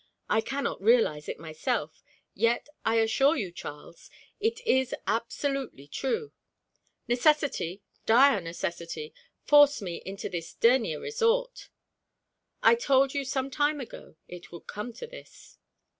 I cannot realize it myself; yet I assure you, Charles, it is absolutely true. Necessity, dire necessity, forced me into this dernier resort. I told you some time ago it would come to this.